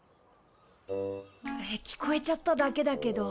聞こえちゃっただけだけど。